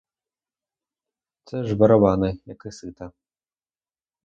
Це теж барабани, як і сита.